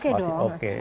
masih oke dong